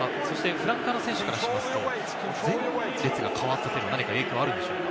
フランカーの選手からしますと、前列が代わったというのは影響があるんでしょうか？